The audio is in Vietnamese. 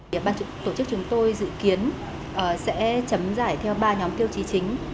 bàn tổ chức chúng tôi dự kiến sẽ chấm giải theo ba nhóm tiêu chí chính